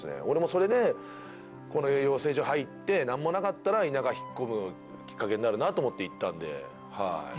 俺もそれでこの養成所入って何もなかったら田舎引っ込むきっかけになるなと思っていったんではい